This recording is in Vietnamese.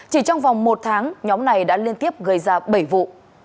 chỉ trong vòng một tháng nhóm này đã liên tiếp gây ra bảy vụ